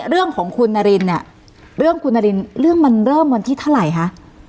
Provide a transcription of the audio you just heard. เรื่องของคุณนรินเรือมวันที่เท่าไหร่คะ